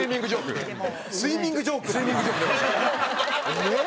えっ！